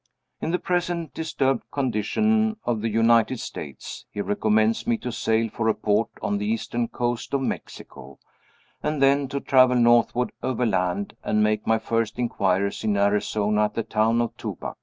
In the present disturbed condition of the United States, he recommends me to sail for a port on the eastern coast of Mexico, and then to travel northward overland, and make my first inquiries in Arizona at the town of Tubac.